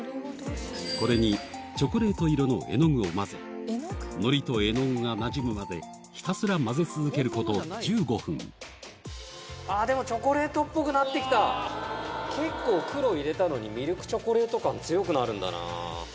これにチョコレート色の絵の具を混ぜのりと絵の具がなじむまでひたすら混ぜ続けること１５分結構黒入れたのにミルクチョコレート感強くなるんだな。